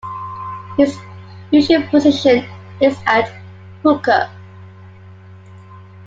His usual position is at hooker.